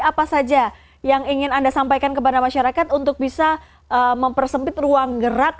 apa saja yang ingin anda sampaikan kepada masyarakat untuk bisa mempersempit ruang gerak